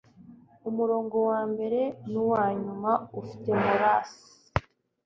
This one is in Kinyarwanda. umurongo wambere nuwanyuma ufite moras